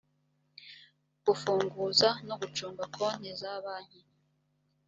gufunguza no gucunga konti za banki